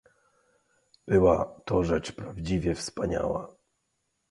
"Była to rzecz prawdziwie wspaniała!"